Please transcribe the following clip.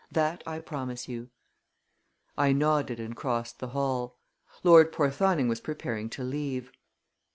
That I promise you." I nodded and crossed the hall. Lord Porthoning was preparing to leave.